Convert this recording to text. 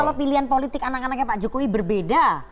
kalau pilihan politik anak anaknya pak jokowi berbeda